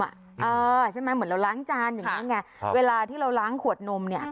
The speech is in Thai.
ใช่ไหมเหมือนเราล้างจานอย่างนี้ไงเวลาที่เราล้างขวดนมเนี่ย